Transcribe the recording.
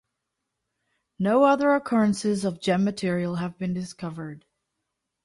No other occurrences of gem material have been discovered.